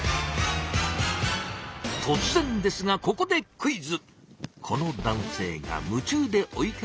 とつ然ですがここでクイズ！